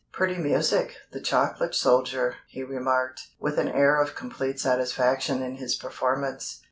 "Pretty music, The Chocolate Soldier," he remarked, with an air of complete satisfaction in his performance.